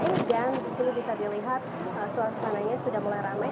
ini memang sudah mulai dan bisa dilihat suasananya sudah mulai ramai